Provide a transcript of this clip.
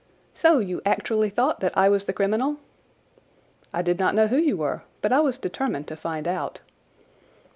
So you actually thought that I was the criminal?" "I did not know who you were, but I was determined to find out."